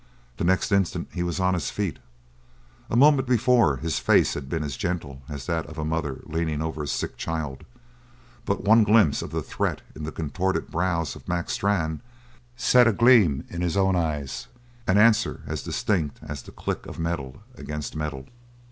The next instant he was on his feet. A moment before his face had been as gentle as that of a mother leaning over a sick child; but one glimpse of the threat in the contorted brows of Mac Strann set a gleam in his own eyes, an answer as distinct as the click of metal against metal.